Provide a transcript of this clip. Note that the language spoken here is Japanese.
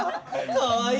かわいい。